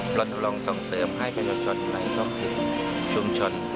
ปรับลงส่องเสริมให้ประชาชนหลายละคืนชุมชน